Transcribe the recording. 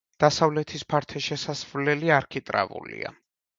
დასავლეთის ფართე შესასვლელი არქიტრავულია.